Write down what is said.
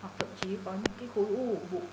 hoặc thậm chí có những khối ủ bụng